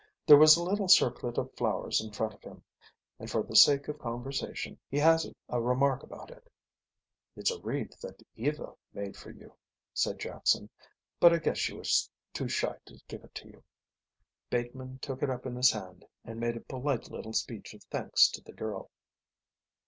There was a little circlet of flowers in front of him, and for the sake of conversation he hazarded a remark about it. "It's a wreath that Eva made for you," said Jackson, "but I guess she was too shy to give it you." Bateman took it up in his hand and made a polite little speech of thanks to the girl.